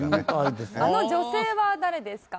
あの女性は誰ですか？